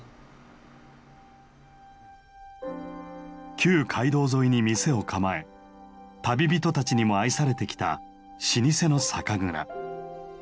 旧街道沿いに店を構え旅人たちにも愛されてきた老舗の酒蔵。